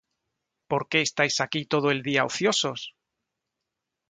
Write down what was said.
¿Por qué estáis aquí todo el día ociosos?